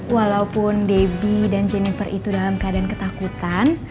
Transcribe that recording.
walaupun debbie dan jennifer itu dalam keadaan ketakutan